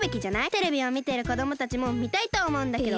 テレビをみてるこどもたちもみたいとおもうんだけど。